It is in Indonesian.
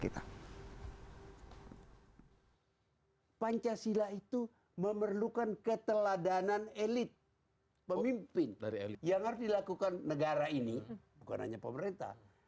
kita pancasila itu memerlukan keteladanan elit pemimpin yang harus dilakukan negara ini bukan hanya pemerintah